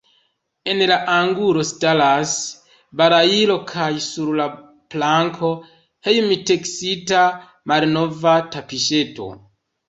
En la angulo staras balailo kaj sur la planko hejmteksita malnova tapiŝeto.